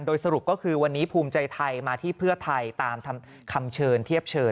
โดยสรุปก็คือวันนี้ภูมิใจไทยมาที่เพื่อไทยตามคำเชิญเทียบเชิญ